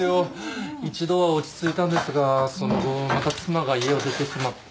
一度は落ち着いたんですがその後また妻が家を出てしまって。